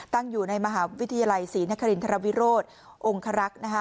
ตั้งอยู่ในมหาวิทยาลัยศรีนครินทรวิโรธองครักษ์